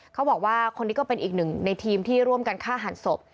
เขาบอกว่าคนนี้ก็เป็นอีกหนึ่งในทีมที่ร่วมกันฆ่าหันศพ